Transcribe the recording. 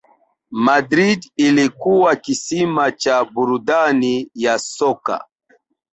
Madrid ilikuwa kisima cha burudani ya soka